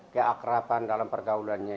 keakraban dalam pergaulannya